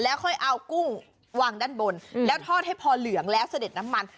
ค่อยเอากุ้งวางด้านบนแล้วทอดให้พอเหลืองแล้วเสด็จน้ำมัน